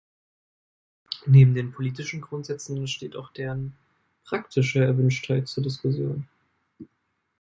Neben den politischen Grundsätzen steht auch deren praktische Erwünschtheit zur Diskussion.